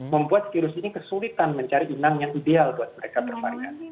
membuat virus ini kesulitan mencari inang yang ideal buat mereka bervariasi